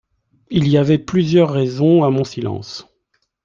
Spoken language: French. Il y avait plusieurs raisons a mon silence.